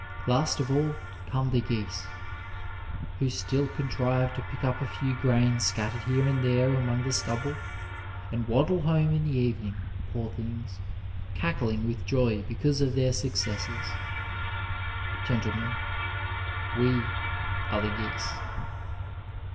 Last of all come the geese, who still contrive to pick up a few grains scattered here and there among the 89 Digitized by VjOOQIC THE LEAVEN OF SCIENCE stubble, and waddle home in the evening, poor things, cackling with joy because of their succeess. Grentlemen, we are the geese."